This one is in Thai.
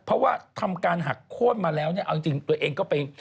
เพราะว่าทำการหักโค้นมาแล้วเนี่ยเอาจริงตัวเองก็ไป